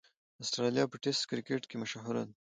اسټرالیا په ټېسټ کرکټ کښي مشهوره ده.